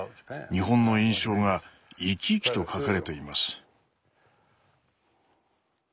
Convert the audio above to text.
日本の印象が生き生きと書かれています。